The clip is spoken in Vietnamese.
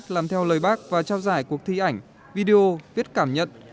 làm theo lời bác và trao giải cuộc thi ảnh video viết cảm nhận